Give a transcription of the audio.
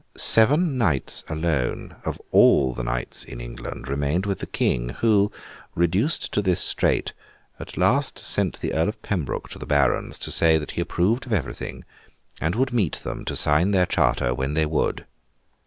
Seven knights alone, of all the knights in England, remained with the King; who, reduced to this strait, at last sent the Earl of Pembroke to the Barons to say that he approved of everything, and would meet them to sign their charter when they would.